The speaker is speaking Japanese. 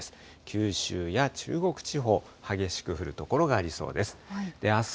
九州や中国地方、激しく降る所がありそうです。